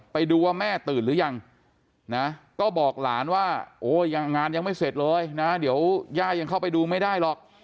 ไปดูว่าแม่ตื่นหรือยังนะก็บอกหลานว่าโอ้ยังงานยังไม่เสร็จเลยนะเดี๋ยวย่ายังเข้าไปดูไม่ได้หรอก